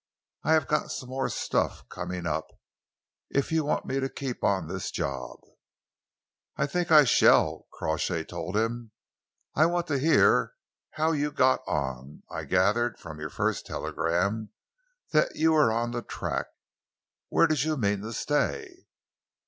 "I have got some more stuff coming up, if you want me to keep on this job." "I think I shall," Crawshay told him. "I want to hear how you got on. I gathered from your first telegram that you were on the track. Where did you mean to stay?"